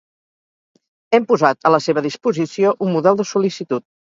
Hem posat a la seva disposició un model de sol·licitud.